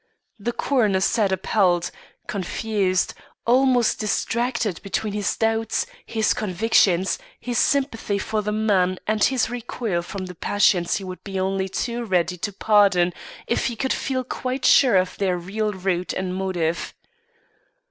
The coroner sat appalled, confused, almost distracted between his doubts, his convictions, his sympathy for the man and his recoil from the passions he would be only too ready to pardon if he could feel quite sure of their real root and motive.